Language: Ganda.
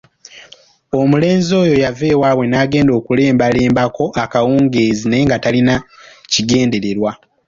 Omulenzi oyo yava ewaabwe n’agenda okulembalembako akawungeezi naye nga talina kigendererwa.